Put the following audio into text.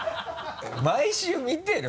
毎週見てる？